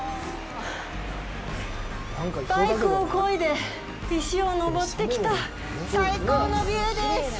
バイクをこいで、石を上って来た最高のビューです！